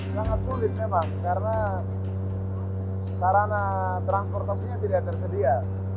sangat sulit memang karena sarana transportasinya tidak tersedia